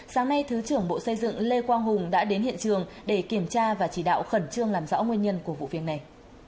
sáng nay thứ trưởng bộ xây dựng lê quang hùng đã đến hiện trường để kiểm tra và chỉ đạo khẩn trương làm rõ nguyên nhân của vụ việc này